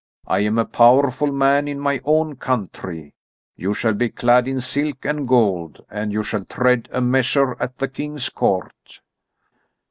I am a powerful man in my own country. You shall be clad in silk and gold, and you shall tread a measure at the King's court."